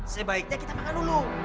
sebaiknya kita makan dulu